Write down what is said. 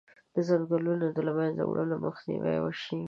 د ځنګلونو د له منځه وړلو مخنیوی وشي.